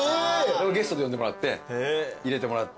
俺ゲストで呼んでもらって入れてもらって。